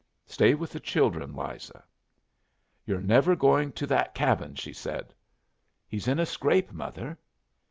Stay with the children, Liza." "You're never going to that cabin?" she said. "He's in a scrape, mother."